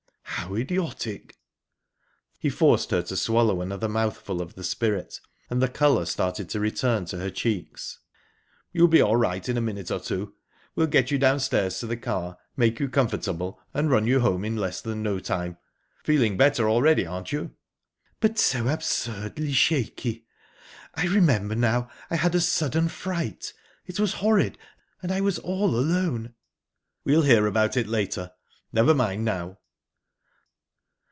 "How idiotic!" He forced her to swallow another mouthful of the spirit, and the colour started to return to her cheeks. "You'll be all right in a minute or two. We'll get you downstairs to the car, make you comfortable, and run you home in less than no time. Feeling better already, aren't you?" "But so absurdly shaky!...I remember now. I had a sudden fright. It was horrid, and I was all alone." "We'll hear about it later; never mind now."